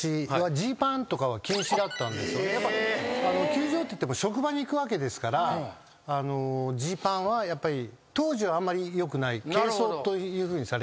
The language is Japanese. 球場っていっても職場に行くわけですからジーパンはやっぱり当時はあんまりよくない軽装というふうにされてて。